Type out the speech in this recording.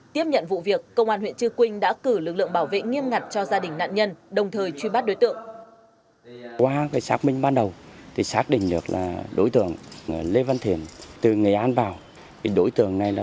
tiếp nhận vụ việc công an huyện trư quynh đã cử lực lượng bảo vệ nghiêm ngặt cho gia đình nạn nhân đồng thời truy bắt đối tượng